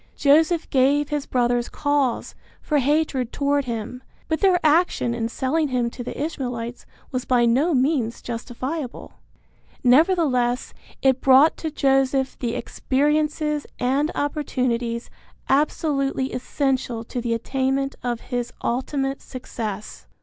Joseph gave his brothers cause for hatred toward him, but their action in selling him to the Ishmaelites was by no means justifiable. Nevertheless it brought to Joseph the experiences and opportunities absolutely essential to the attainment of his ultimate success.